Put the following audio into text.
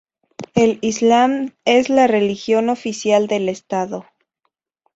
El islam es la religión oficial del estado.